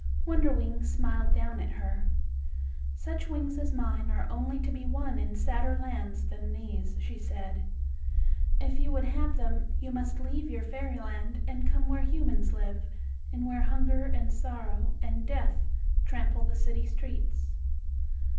Wonderwings smiled down at her. "Such wings as mine are only to be won in sadder lands than these," she said. "If you would have them you must leave your fairyland and come where humans live, and where hunger and sorrow and death trample the city streets."